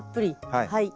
はい。